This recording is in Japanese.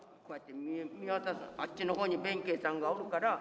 あっちの方に弁慶さんがおるから。